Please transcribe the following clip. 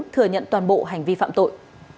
thừa nhận toàn bộ hành vi phạm tội